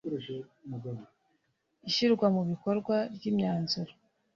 ishyirwa mu bikorwa ry imyanzuro